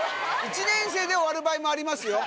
１年生で終わる場合もありますよ